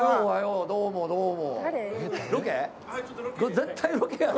絶対ロケやろ？